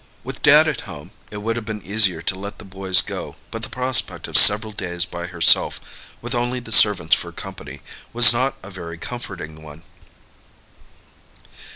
With Dad at home it would have been easier to let the boys go, but the prospect of several days by herself, with only the servants for company, was not a very comforting one.